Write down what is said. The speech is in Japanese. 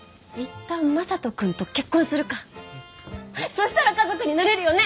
そしたら家族になれるよね？